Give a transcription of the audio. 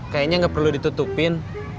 kayaknya enggak perlu ditutupin